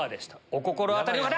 お心当たりの方！